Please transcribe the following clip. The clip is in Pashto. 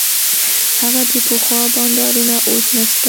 هغه د پخوا بانډارونه اوس نسته.